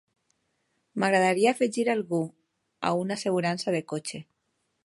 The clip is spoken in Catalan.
M'agradaria afegir a algú a una assegurança de cotxe.